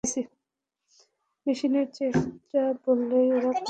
মেশিনের চেয়ে এটা বললেই ওরা খুশি হয়।